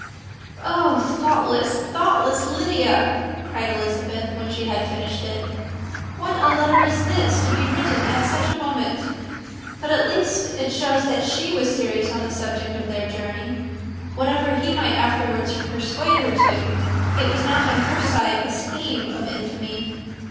"Oh, thoughtless, thoughtless Lydia!" cried Elizabeth when she had finished it. "What a letter is this, to be written at such a moment! But at least it shows that she was serious in the object of her journey. Whatever he might afterwards persuade her to, it was not on her side a scheme of infamy.